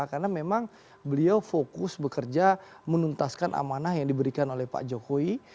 karena memang beliau fokus bekerja menuntaskan amanah yang diberikan oleh pak jokowi